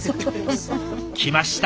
きました！